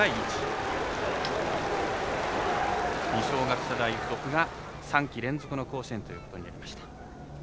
二松学舎大付属が３季連続の甲子園ということになりました。